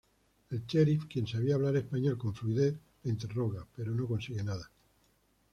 El sheriff, quien sabía hablar español con fluidez, la interroga, pero no consigue nada.